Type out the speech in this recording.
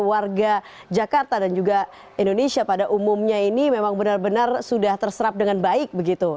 dan warga jakarta dan juga indonesia pada umumnya ini memang benar benar sudah terserap dengan baik begitu